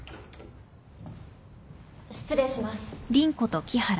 ・失礼します。